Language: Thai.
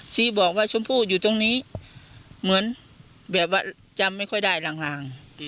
ชี้บอกว่าชมพู่อยู่ตรงนี้เหมือนแบบว่าจำไม่ค่อยได้ลาง